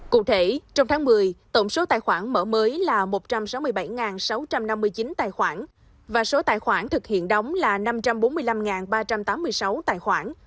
cụ thể trong tháng một mươi tổng số tài khoản mở mới là một trăm sáu mươi bảy sáu trăm năm mươi chín tài khoản và số tài khoản thực hiện đóng là năm trăm bốn mươi năm ba trăm tám mươi sáu tài khoản